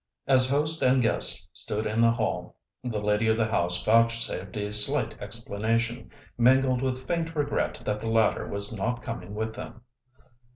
As host and guest stood in the hall, the lady of the house vouchsafed a slight explanation, mingled with faint regret that the latter was not coming with them.